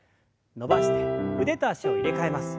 伸ばして腕と脚を入れ替えます。